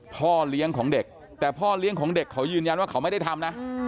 พาระที่น้องใหม่แต่พ่อเลี้ยงของเด็กก็ส่งรวมขึ้นว่าเขาไม่ได้ทำนะ